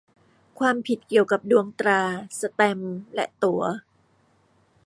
ความผิดเกี่ยวกับดวงตรา แสตมป์และตั๋ว